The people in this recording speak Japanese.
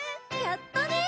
やったね！